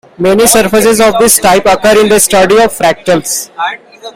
Many surfaces of this type occur in the study of fractals.